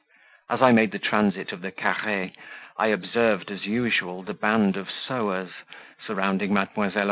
As I made the transit of the CARRE, I observed, as usual, the band of sewers surrounding Mdlle.